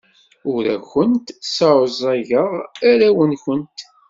Ur awent-sseɛẓageɣ arraw-nwent.